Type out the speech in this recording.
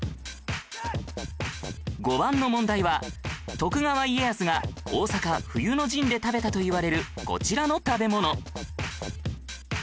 ５番の問題は徳川家康が大坂冬の陣で食べたといわれるこちらの食べ物